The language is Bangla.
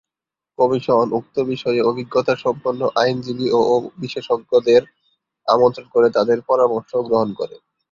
কমিশন উক্ত বিষয়ে অভিজ্ঞতাসম্পন্ন আইনজীবী ও বিশেষজ্ঞদের আমন্ত্রণ করে তাদের পরামর্শও গ্রহণ করে।